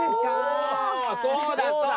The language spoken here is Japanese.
おそうだそうだ！